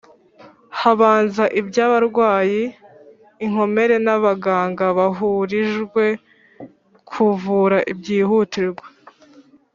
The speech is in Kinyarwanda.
habanza iby' abarwayi, inkomere n' abaganga bahurijwe kuvura byihutirwa